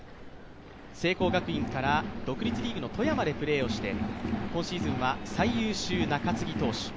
聖光学院から独立リーグの富山でプレーして今シーズンは最優秀中継ぎ投手。